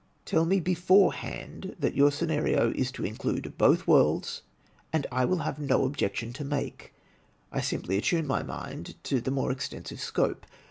Tell me beforehand that your scenario is to include both worlds, and I have no objection to make; I simply attune my mind to the more extensive scope.